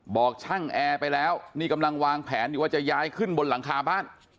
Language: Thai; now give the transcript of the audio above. บอกช่างแอร์ไปแล้วนี่กำลังวางแผนอยู่ว่าจะย้ายขึ้นบนหลังคาบ้าน